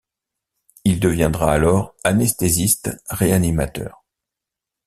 Il deviendra alors anesthésiste-réanimateur.